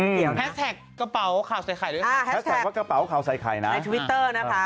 แฮชแท็กกระเป๋าข่าวใส่ไข่ด้วยค่ะในทวิตเตอร์นะคะ